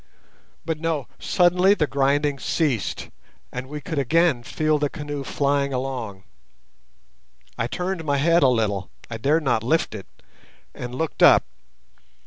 But no, suddenly the grinding ceased, and we could again feel the canoe flying along. I turned my head a little—I dared not lift it—and looked up.